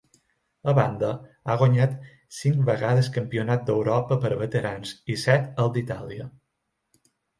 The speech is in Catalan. A banda, ha guanyat cinc vegades Campionat d'Europa per a veterans i set el d'Itàlia.